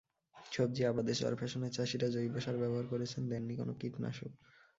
সবজি আবাদে চরফ্যাশনের চাষিরা জৈব সার ব্যবহার করছেন, দেননি কোনো কীটনাশক।